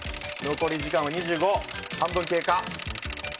残り時間は２５、半分経過。